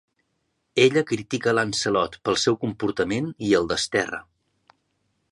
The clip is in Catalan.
Ella critica Lancelot pel seu comportament i el desterra.